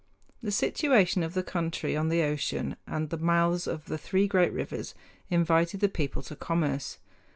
The situation of the country on the ocean and the mouths of three great rivers invited the people to commerce.